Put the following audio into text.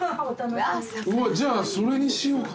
じゃあそれにしようかな。